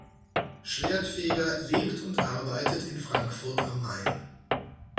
Schwerdtfeger lebt und arbeitet in Frankfurt am Main.